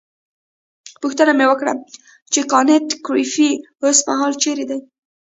پوښتنه مې وکړه چې کانت ګریفي اوسمهال چیرې دی.